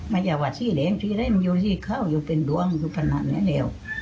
มันอย่าว่าที่แหลงที่แหลงอยู่ที่เข้าอยู่เป็นดวงอยู่บ้านนั้นแล้ว